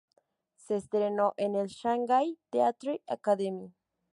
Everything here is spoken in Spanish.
Se entrenó en el "Shanghai Theatre Academy".